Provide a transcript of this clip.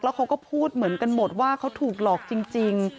เขาก็พูดเหมือนกันหมดว่าเขาถูกหลอกจริง